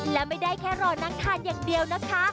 และไม่ได้แค่รอนั่งทานอย่างเดียวนะคะ